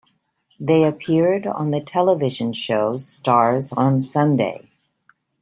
They appeared on the television show "Stars on Sunday".